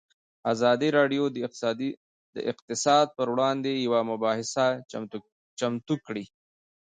ازادي راډیو د اقتصاد پر وړاندې یوه مباحثه چمتو کړې.